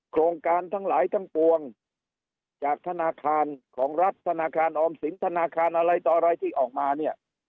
โครงการทั้งหลายทั้งปวงจากธนาคารของรัฐธนาคารออมสินธนาคารอะไรต่ออะไรที่ออกมาเนี่ย